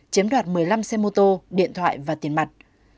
chiếm đoạt một mươi năm xe mô tô điện thoại và tiền mặt